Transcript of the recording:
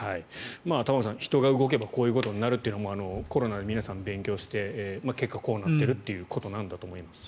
玉川さん、人が動けばこういうことになるというのはコロナで皆さん、勉強して結果、こうなっているということなんだと思います。